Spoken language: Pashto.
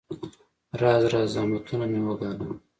راز راز زحمتونه مې وګالل.